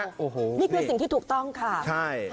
นี่คือสิ่งที่ถูกต้องค่ะ